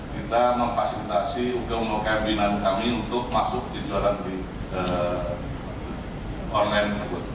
kita memfasilitasi ukm ukm binan kami untuk masuk di jualan online tersebut